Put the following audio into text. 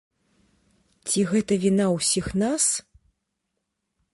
Ці гэта віна ўсіх нас?